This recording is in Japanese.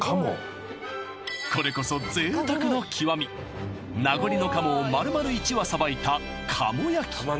これこそ贅沢の極み名残の鴨を丸々１羽さばいた鴨焼き